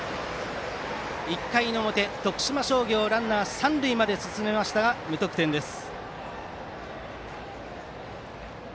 １回の表、徳島商業はランナーを三塁まで進めましたが無得点です。